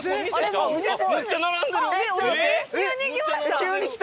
急にきました！